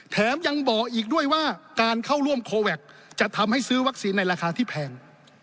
แถมยังบอกอีกด้วยว่าการเข้าร่วมโคแวคจะทำให้ซื้อวัคซีนในราคาที่แพง